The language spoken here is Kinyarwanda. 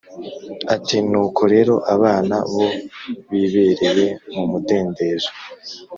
ati Nuko rero abana bo bibereye mu mudendezo